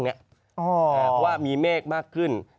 เพราะว่ามีเมฆมากขึ้น